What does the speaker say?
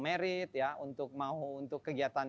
married untuk kegiatan